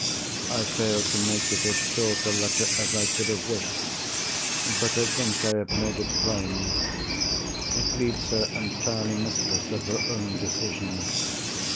I failed to make it as short a letter as I could have wished. But I think I have made it plain. It leaves her entirely mistress of her own decision.